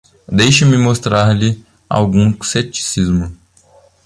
Deixe-me mostrar-lhe algum ceticismo.